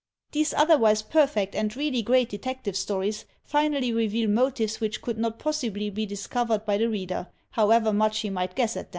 These, otherwise perfect and really great detective stories, finally reveal motives which could not possibly be discovered by the reader, however much he might guess at them.